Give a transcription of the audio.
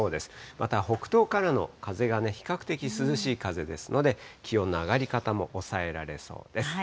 また北東からの風がね、比較的涼しい風ですので、気温の上がり方も抑えられそうです。